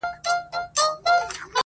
ډېري سترگي به كم كمي له سرونو،